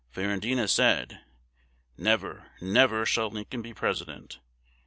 "Ferrandina said, 'Never, never, shall Lincoln be President.